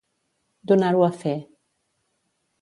Donar-ho a fer.